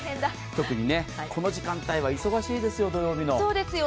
特にこの時間帯は忙しいですよ、土曜日の。